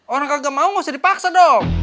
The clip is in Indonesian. orang kagak mau ga usah dipaksa dong